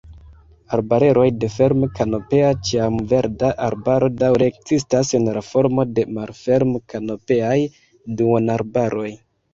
Arbareroj de ferm-kanopea ĉiamverda arbaro daŭre ekzistas, en la formo de malferm-kanopeaj duonarbaroj.